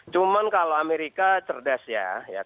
cuman kalau amerika cerdas ya